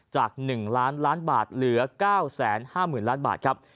จาก๑ล้านล้านบาทเหลือ๙๕๐๐๐ล้านบาทครับ